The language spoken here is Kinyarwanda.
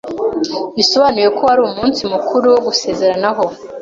bisobanuye ko wari umunsi mukuru wo gusezeranaho,